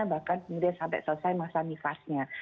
bahkan kemudian sampai selesai masa mifasnya